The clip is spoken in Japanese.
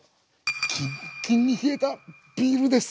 キンキンに冷えたビールです！